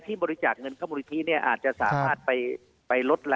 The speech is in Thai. บริจาคเงินเข้ามูลนิธิเนี่ยอาจจะสามารถไปลดละ